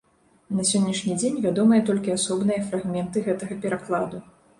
На сённяшні дзень вядомыя толькі асобныя фрагменты гэтага перакладу.